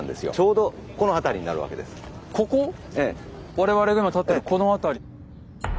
我々が今立ってるこの辺り。